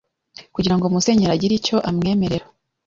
Kugira ngo Musenyeri agire icyo amwemerera